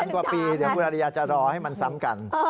กว่าปีเดี๋ยวคุณอริยาจะรอให้มันซ้ำกัน